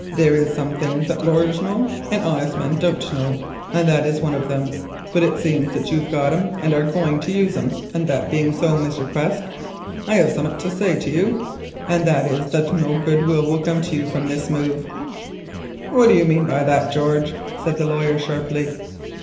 There is some things as laryers know and honest men don't know, and that's one on them. But it seems that you've got 'em and are a going to use 'em—and that being so, Mr. Quest, I have summut to say to you—and that is that no good won't come to you from this here move." "What do you mean by that, George?" said the lawyer sharply.